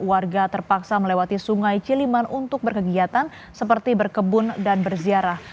warga terpaksa melewati sungai ciliman untuk berkegiatan seperti berkebun dan berziarah